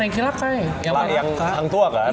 yang hang tua kan